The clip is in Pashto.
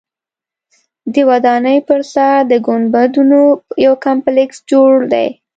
د ودانۍ پر سر د ګنبدونو یو کمپلیکس جوړ دی.